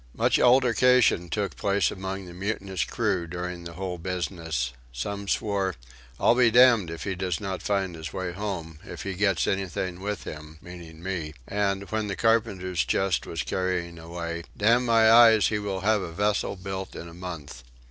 Much altercation took place among the mutinous crew during the whole business: some swore "I'll be damned if he does not find his way home, if he gets anything with him," (meaning me) and, when the carpenter's chest was carrying away, "Damn my eyes he will have a vessel built in a month."